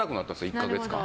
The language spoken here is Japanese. １か月間。